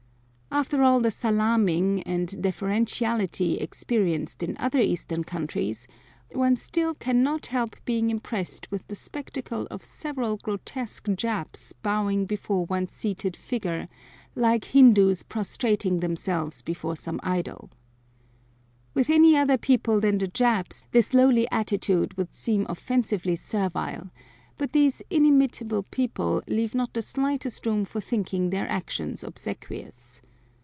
After all the salaaming and deferentiality experienced in other Eastern countries, one still cannot help being impressed with the spectacle of several grotesque Japs bowing before one's seated figure like Hindoos prostrating themselves before some idol With any other people than the Japs this lowly attitude would seem offensively servile; but these inimitable people leave not the slightest room for thinking their actions obsequious.